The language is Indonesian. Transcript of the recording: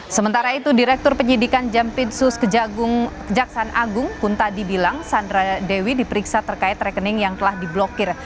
sementara itu direktur penyidikan jampitsus kejaksaan agung punta dibilang sandra dewi diperiksa terkait rekening yang telah diblokir